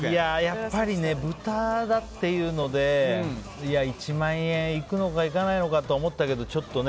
やっぱり豚だっていうので１万円いくのかいかないのかとは思ったけど。